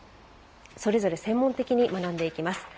それぞれ、専門的に学んでいきます。